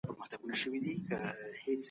نوي فکري جريانونه په ټولنه کي منل کېږي.